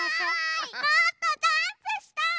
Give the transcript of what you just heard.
もっとジャンプしたい！